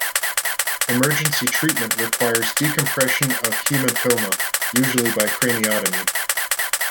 Emergency treatment requires decompression of the haematoma, usually by craniotomy.